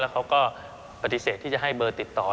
คือเขาก็ปฏิเสธให้เบอร์ติดต่อ